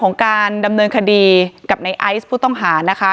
ในไอซ์ผู้ต้องหานะคะ